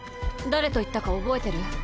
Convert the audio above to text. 誰と行ったか覚えてる？